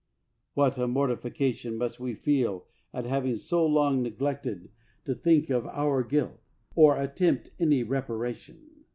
What a mortification must we feel at having so long neglected to think of our guilt, or attempt any reparation!